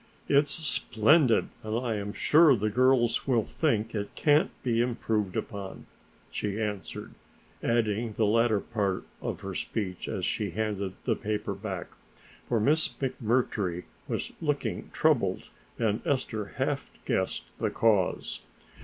"It's splendid and I am sure the girls will think it can't be improved upon," she answered, adding the latter part of her speech as she handed the paper back, for Miss McMurtry was looking troubled and Ester half guessed the cause.